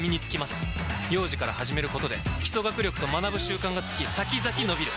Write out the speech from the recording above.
幼児から始めることで基礎学力と学ぶ習慣がつき先々のびる！